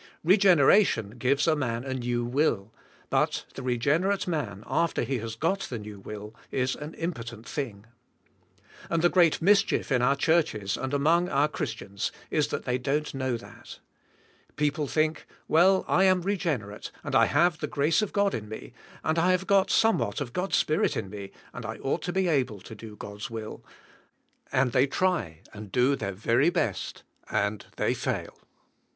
Reg eneration g ives a man a new will, but the re g enerate man, after he has got the new will, is an impotent thing. And the great mischief in our churches and among our Christians is that they don't know that. People think. Well, I am regen erate and I have the grace of God in me and I have got somewhat of God's Spirit in me and I ought to be able to do God's will, and they try and do their very best, and they fail.